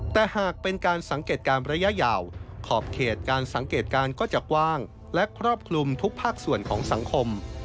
แต่หากเป็นการสังเกตการณ์ระยะยาวขอบเขตการสังเกตการณ์ก็จะกว้างและครอบคลุมทุกภาคส่วนของสังคม